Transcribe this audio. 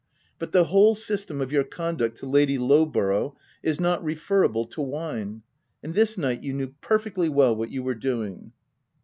But the whole system of your conduct to Lady Low borough, is not referrible to wine ; and this night you knew perfectly well what you were doing.''